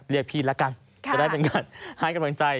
เรียกพี่แล้วกันจะได้เป็นการให้กำลังใจ